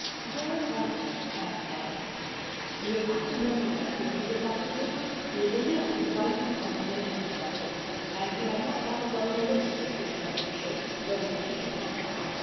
"Where is Walter?" asked Anne. "He is up to no good, I fear, Mrs. Dr. dear. He is in the attic writing something in an exercise book. And he has not done as well in arithmetic this term as he should, so the teacher tells me.